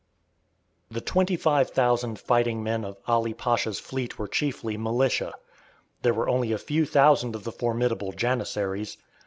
The 25,000 fighting men of Ali Pasha's fleet were chiefly militia. There were only a few thousand of the formidable Janissaries.